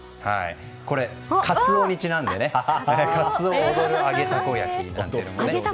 これ、カツオにちなんでカツオ踊る揚げたこ焼きなど。